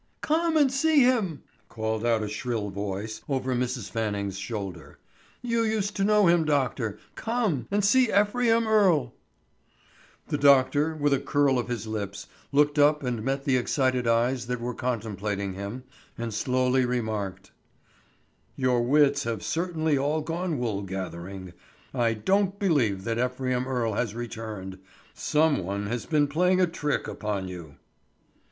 "Come and see him!" called out a shrill voice, over Mrs. Fanning's shoulder. "You used to know him, doctor. Come and see Ephraim Earle." The doctor, with a curl of his lips, looked up and met the excited eyes that were contemplating him, and slowly remarked: "Your wits have certainly all gone wool gathering. I don't believe that Ephraim Earle has returned. Some one has been playing a trick upon you."